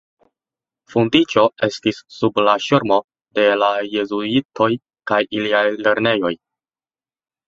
Fondiĝo estis sub la ŝirmo de la jezuitoj kaj iliaj lernejoj.